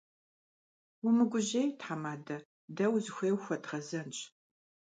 Умыгужьей, тхьэмадэ, дэ узыхуей ухуэдгъэзэнщ.